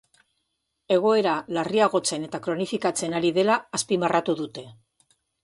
Egoera larriagotzen eta kronifikatzen ari dela azpimarratu dute.